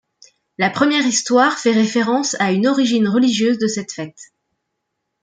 La première histoire fait référence à une origine religieuse de cette fête.